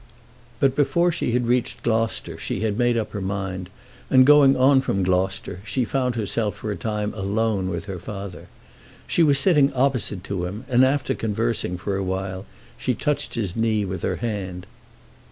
But before she had reached Gloucester she had made up her mind, and going on from Gloucester she found herself for a time alone with her father. She was sitting opposite to him, and after conversing for a while she touched his knee with her hand.